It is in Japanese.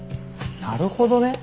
なるほどね。